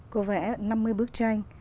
cô vẽ năm mươi bức tranh